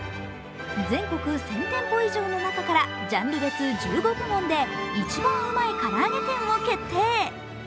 全国１０００店舗以上の中からジャンル別１５部門で一番うまい唐揚げ店を決定。